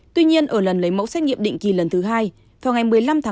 tuy nhiên ở lần lấy mẫu xét nghiệm định kỳ lần thứ hai vào ngày một mươi năm tháng một